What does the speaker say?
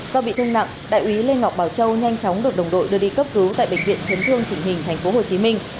do bị thương nặng đại úy lê ngọc bảo châu nhanh chóng được đồng đội đưa đi cấp cứu tại bệnh viện chấn thương chỉnh hình thành phố hồ chí minh